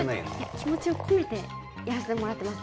気持ちを込めてやらせてもらってます